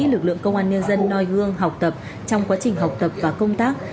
lực lượng công an nhân dân noi gương học tập trong quá trình học tập và công tác